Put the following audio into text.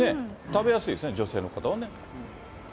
食べやすいですね、女性の方はね。